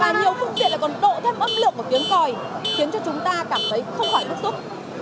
và nhiều phương tiện lại còn độ thêm âm lượng của tiếng còi khiến cho chúng ta cảm thấy không hỏi bức xúc